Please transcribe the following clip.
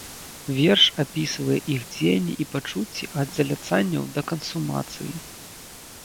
Верш апісвае іх дзеянні і пачуцці ад заляцанняў да кансумацыі.